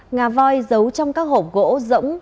ngà voi giấu trong các hộp gỗ rỗng